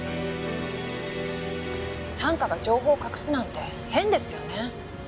三課が情報を隠すなんて変ですよね。